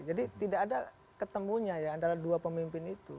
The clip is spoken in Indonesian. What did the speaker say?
jadi tidak ada ketemunya ya antara dua pemimpin itu